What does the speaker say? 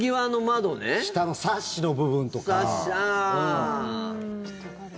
下のサッシの部分とか。